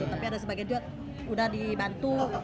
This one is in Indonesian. tapi ada sebagian juga sudah dibantu